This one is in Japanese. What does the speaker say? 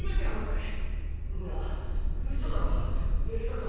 嘘だろベルトルト？